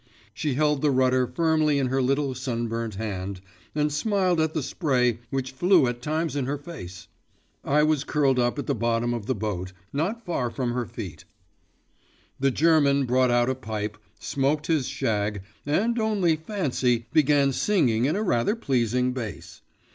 She held the rudder firmly in her little sunburnt hand, and smiled at the spray which flew at times in her face. I was curled up at the bottom of the boat; not far from her feet. The German brought out a pipe, smoked his shag, and, only fancy, began singing in a rather pleasing bass.